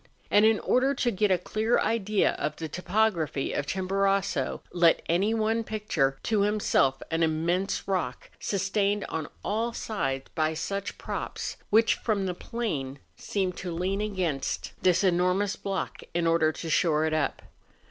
And in order to get a clear idea of the topography of Chimborazo, let any one picture to himself an immense rock, sustained on all sides by such props, which from the plain seem to lean against this enormous block in order to shore it up.